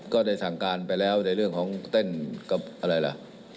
ก็ได้สั่งการไปแล้วในเรื่องของเต้นกับอะไรล่ะ